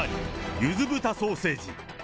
ゆず豚ソーセージ。